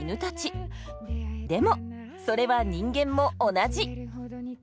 でもそれは人間も同じ！